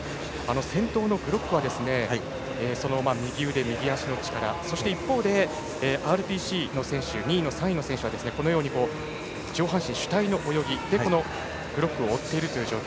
先頭のグロックは右腕右足の力、そして一方でＲＰＣの選手２位と３位の選手は上半身主体の泳ぎでグロックを追います。